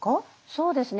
そうですね